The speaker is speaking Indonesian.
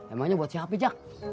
emangnya buat siapa jak